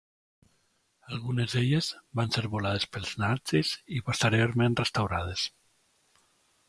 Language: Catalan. Algunes d'elles van ser volades pels nazis i posteriorment restaurades.